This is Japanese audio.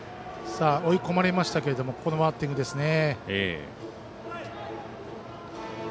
追い込まれましたけどこのバッティングですね。